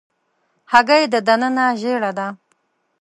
هګۍ دننه ژېړه ده.